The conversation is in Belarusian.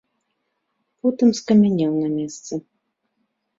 Потым скамянеў на месцы.